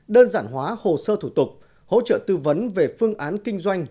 đơn giản hóa hồ sơ thủ tục hỗ trợ tư vấn về phương án kinh doanh